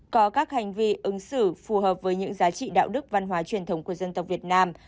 có các hành vi ứng xử phù hợp với những giá trị đạo đức văn hóa truyền thống của dân tộc việt nam